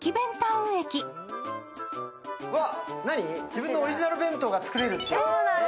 自分のオリジナル弁当が作れるの？